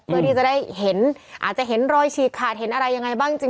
เพื่อที่จะได้เห็นอาจจะเห็นรอยฉีกขาดเห็นอะไรยังไงบ้างจริง